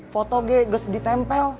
foto itu tidak sedih ditempel